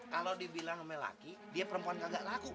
kalau dibilang sama laki dia perempuan kagak laku